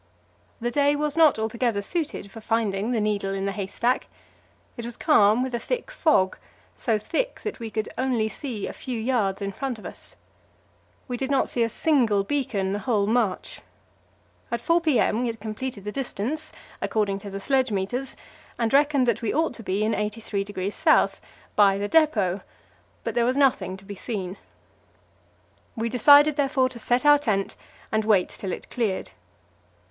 The day was not altogether suited for finding the needle in the haystack. It was calm with a thick fog, so thick that we could only see a few yards in front of us. We did not see a single beacon on the whole march. At 4 p.m. we had completed the distance, according to the sledge meters, and reckoned that we ought to be in 83° S., by the depot; but there was nothing to be seen. We decided, therefore, to set our tent and wait till it cleared.